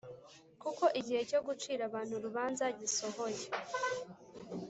kuko igihe cyo gucira abantu urubanza gisohoye,